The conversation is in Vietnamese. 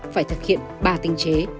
phải thực hiện ba tinh chế